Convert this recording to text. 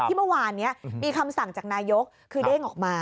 เมื่อวานนี้มีคำสั่งจากนายกคือเด้งออกมา